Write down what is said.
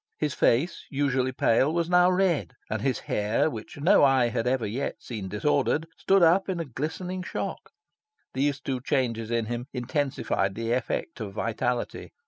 His face, usually pale, was now red; and his hair, which no eye had ever yet seen disordered, stood up in a glistening shock. These two changes in him intensified the effect of vitality.